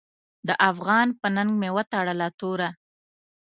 د افغان په ننګ مې وتړله توره .